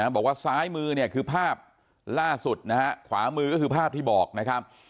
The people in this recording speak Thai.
บอกว่าซ้ายมือเนี่ยคือภาพล่าสุดนะฮะขวามือก็คือภาพที่บอกนะครับ